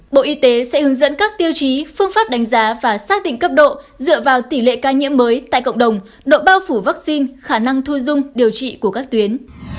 bộ y tế sẽ hướng dẫn các tiêu chí phương pháp đánh giá và xác định cấp độ dựa vào tỷ lệ ca nhiễm mới tại cộng đồng độ bao phủ vaccine khả năng thu dung điều trị của các tuyến